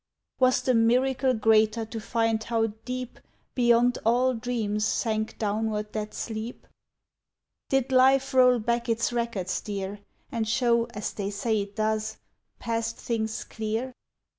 "Was the miracle greater to find how deep Beyond all dreams sank downward that sleep? "Did life roll back its records, dear, And show, as they say it does, past things clear?